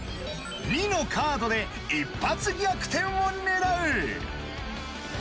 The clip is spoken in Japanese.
２のカードで一発逆転を狙う。